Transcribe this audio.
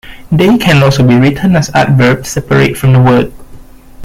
They can also be written as adverbs separate from the word.